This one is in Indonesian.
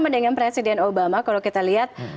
maksudnya sisanya bisa essepsi